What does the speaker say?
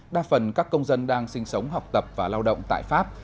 đa phần các công dân đang sinh sống học tập và lao động tại pháp